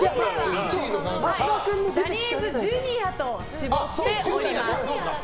ジャニーズＪｒ．と絞っております。